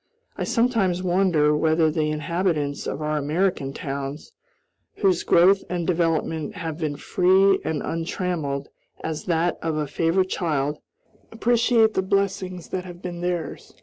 I sometimes wonder whether the inhabitants of our American towns, whose growth and development have been free and untrammeled as that of a favorite child, appreciate the blessings that have been theirs.